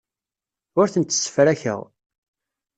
Ur tent-ssefrakeɣ.